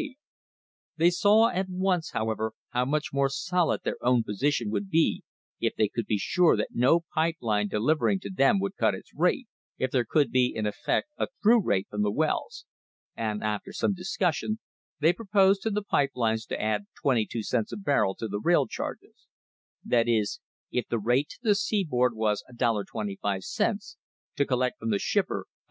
THE HISTORY OF THE STANDARD OIL COMPANY They saw at once, however, how much more solid their own position would be if they could be sure that no pipe line deliv ering to them would cut its rate, if there could be in effect a through rate from the wells, and after some discussion they proposed to the pipe lines to add twenty two cents a barrel to the rail charges ; that is, if the rate to the seaboard was $1.25, to collect from the shipper $1.